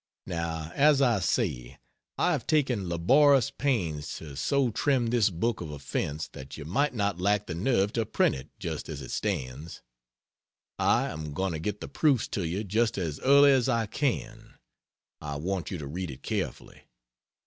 Now, as I say, I have taken laborious pains to so trim this book of offense that you might not lack the nerve to print it just as it stands. I am going to get the proofs to you just as early as I can. I want you to read it carefully.